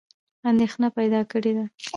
اندېښنه پیدا کړې ده.